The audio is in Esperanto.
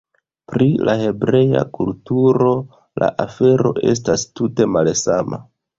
Pri la hebrea kulturo, la afero estas tute malsama.